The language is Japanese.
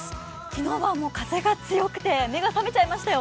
今日は風が強くて目が覚めちゃいましたよ。